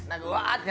って